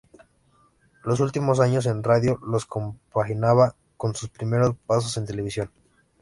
Los últimos años en radio los compaginaba con sus primeros pasos en televisión.